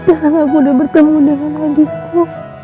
karena aku udah bertemu dengan adikku